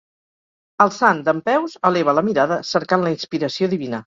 El sant, dempeus, eleva la mirada cercant la inspiració divina.